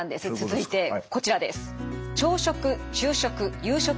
続いてこちらです。